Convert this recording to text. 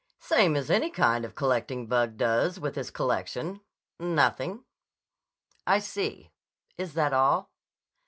"Same as any kind of a collecting bug does with his collection; nothing." "I see. Is that all?"